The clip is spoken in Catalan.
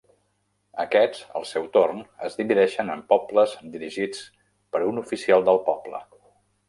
Aquests, al seu torn, es divideixen en pobles, dirigits per un oficial del poble.